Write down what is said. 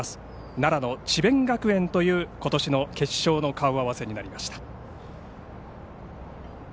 奈良の智弁学園ということしの決勝の顔合わせになりました。